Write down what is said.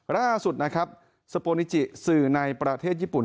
ล่าสุดนะครับสโปรนิจิสื่อในประเทศญี่ปุ่น